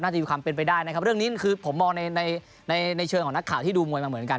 มีความเป็นไปได้นะครับเรื่องนี้คือผมมองในในเชิงของนักข่าวที่ดูมวยมาเหมือนกัน